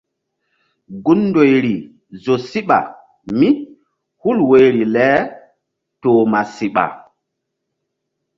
Gun ndoyri zo síɓa mí hul woyri le toh ma siɓa.